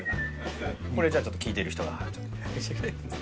「これじゃちょっと聞いてる人が」